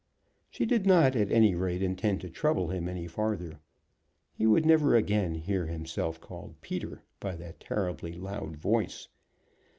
She did not, at any rate, intend to trouble him any farther. He would never again hear himself called Peter by that terribly loud voice.